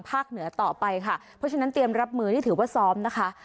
เหนือต่อไปค่ะเพราะฉะนั้นเตรียมรับมือนี่ถือว่าซ้อมนะคะ